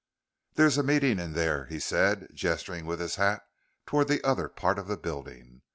"There's a meeting in there," he said, gesturing with his hat toward the other part of the building.